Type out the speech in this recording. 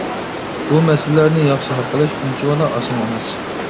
بۇ مەسىلىلەرنى ياخشى ھەل قىلىش ئۇنچىۋالا ئاسان ئەمەس.